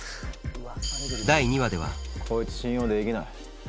第２話ではこいつ信用できない。